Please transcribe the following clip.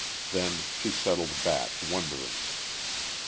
Then she settled back, wondering.